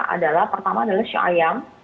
adalah pertama adalah show ayam